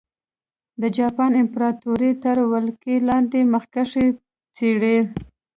د جاپان امپراتورۍ تر ولکې لاندې مخکښې څېرې.